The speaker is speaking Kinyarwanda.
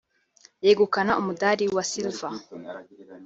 yegukana umudali wa Silver